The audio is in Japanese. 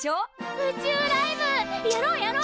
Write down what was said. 宇宙ライブやろうやろう！